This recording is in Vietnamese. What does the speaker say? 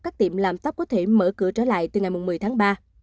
các tiệm làm tóp có thể mở cửa trở lại từ ngày một mươi tháng ba